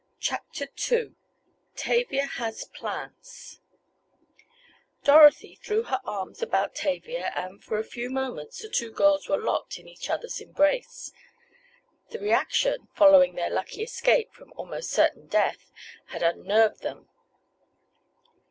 CHAPTER II TAVIA HAS PLANS Dorothy threw her arms about Tavia, and, for a few moments the two girls were locked in each other's embrace. The reaction, following their lucky escape from almost certain death, had unnerved them.